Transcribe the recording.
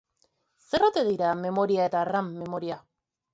Zer ote dira memoria eta ram memoria?